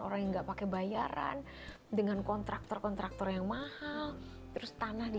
orang yang enggak pakai bayaran dengan kontraktor kontraktor yang mahal terus tanah di